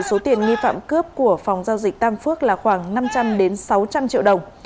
số tiền nghi phạm cướp của phòng giao dịch tam phước là khoảng năm trăm linh sáu trăm linh triệu đồng